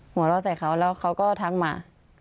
หัวเราะใส่เขาแล้วเขาก็ทักมา